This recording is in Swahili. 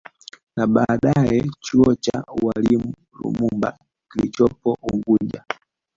Na baadaye chuo cha ualimu Lumumba kilichopo unguja